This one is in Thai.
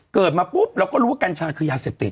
เกิดมาปุ๊บเราก็รู้ว่ากัญชาคือยาเสพติด